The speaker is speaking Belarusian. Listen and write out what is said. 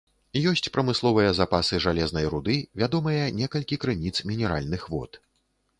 Ёсць прамысловыя запасы жалезнай руды, вядомыя некалькі крыніц мінеральных вод.